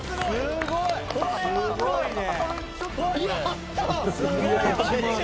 すごい。